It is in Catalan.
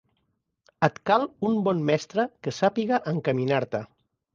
Et cal un bon mestre que sàpiga encaminar-te.